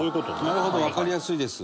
なるほどわかりやすいです。